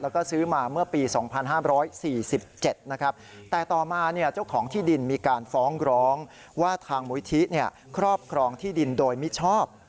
ว่าทางมุยธิครอบครองที่ดินโดยมิชชอบ